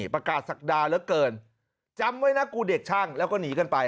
ประกาศศักดาเหลือเกินจำไว้นะกูเด็กช่างแล้วก็หนีกันไป